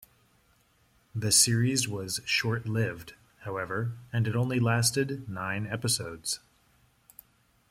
The series was short-lived, however, and it only lasted nine episodes.